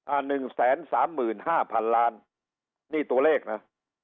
หนึ่งแสนสามหมื่นห้าพันล้านนี่ตัวเลขนะ